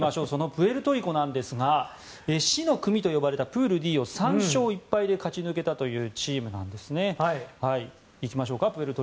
プエルトリコですが死の組と呼ばれたプールＤを３勝１敗で勝ち抜けたというチームなんですね。